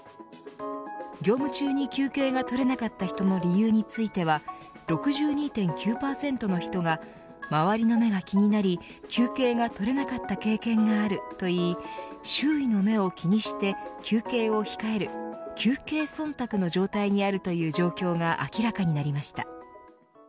業務中に休憩が取れなかった人の理由については６２．９％の人が周りの目が気になり休憩が取れなかった経験があると言い周囲の目を気にして休憩を控える休憩忖度の状態にあるという状況が明らかになりました。